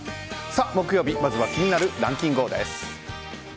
木曜日、まずは気になるランキンＧＯ！です。